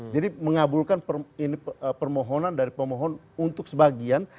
jadi mengabulkan permohonan dari pemohon untuk sebagian